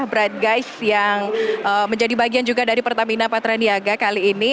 bright guys yang menjadi bagian juga dari pertamina patra niaga kali ini